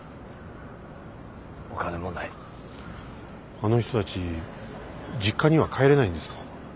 あの人たち実家には帰れないんですか？